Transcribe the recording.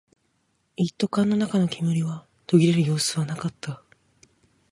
一斗缶の中の煙は途切れる様子はなかった